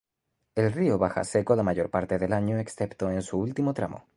El río baja seco la mayor parte del año excepto en su último tramo.